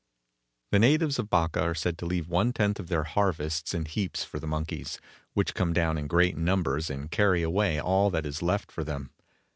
The natives of Baka are said to leave one tenth of their harvests in heaps for the monkeys, which come down in great numbers and carry away all that is left for them.